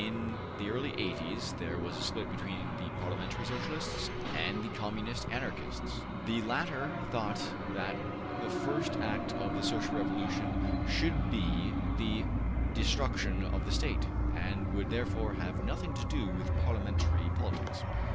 In the early eighties there was a split between the Parliamentary Socialists and the Communist Anarchists. The latter thought that the first act of the Social Revolution should be the destruction of the State, and would therefore have nothing to do with Parliamentary politics.